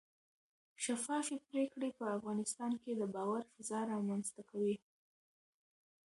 شفافې پرېکړې په افغانستان کې د باور فضا رامنځته کوي